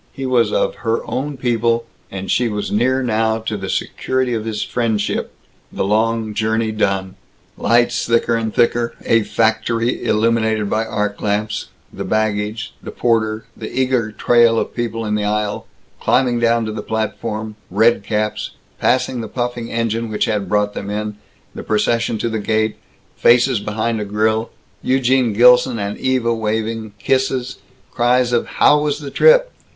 He was of Her Own People, and she was near now to the security of his friendship, the long journey done. Lights thicker and thicker a factory illuminated by arc lamps, the baggage the porter the eager trail of people in the aisle climbing down to the platform red caps passing the puffing engine which had brought them in the procession to the gate faces behind a grill Eugene Gilson and Eva waving kisses, cries of "How was the trip?"